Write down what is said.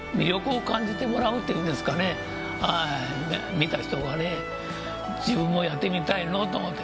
見た人がね自分もやってみたいのうと思って。